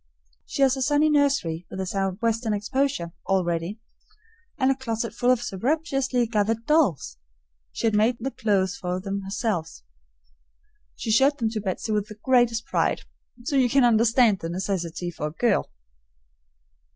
She has a sunny nursery, with a southwestern exposure, all ready. And a closet full of surreptitiously gathered dolls! She has made the clothes for them herself, she showed them to Betsy with the greatest pride, so you can understand the necessity for a girl.